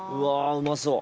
うまそう。